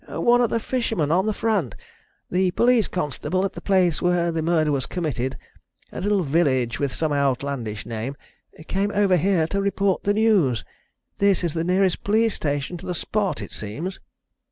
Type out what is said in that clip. "One of the fishermen on the front. The police constable at the place where the murder was committed a little village with some outlandish name came over here to report the news. This is the nearest police station to the spot, it seems."